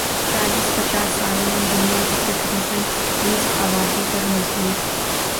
چالیس پچاس سالوں میں دنیا کی تقریبا نصف آبادی پر مزدور